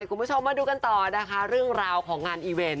คุณผู้ชมมาดูกันต่อนะคะเรื่องราวของงานอีเวนต์